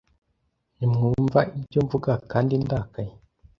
Ntimwumva ibyo mvuga Kandi ndakaye